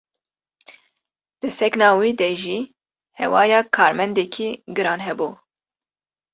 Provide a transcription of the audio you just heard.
Di sekna wî de jî hewaya karmendekî giran hebû.